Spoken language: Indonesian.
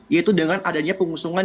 yaitu dengan adanya pengusungan